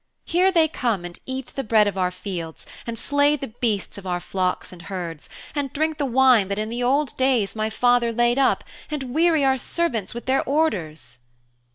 Here they come and eat the bread of our fields, and slay the beasts of our flocks and herds, and drink the wine that in the old days my father laid up, and weary our servants with their orders.'